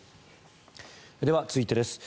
では、続いてです。